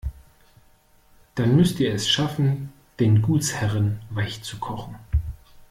Dann müsst ihr es schaffen, den Gutsherren weichzukochen.